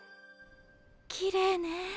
きれいね。